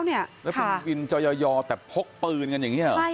แล้วเป็นวินจอยอแต่พกปืนกันอย่างนี้เหรอ